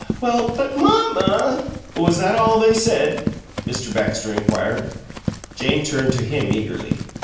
"Well, but MAMMA " "Was that all they said?" Mr. Baxter inquired. Jane turned to him eagerly.